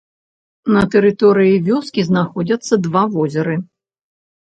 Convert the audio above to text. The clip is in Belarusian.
На тэрыторыі вёскі знаходзяцца два возеры.